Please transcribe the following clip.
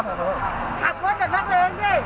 เปิดไฟขอทางออกมาแล้วอ่ะ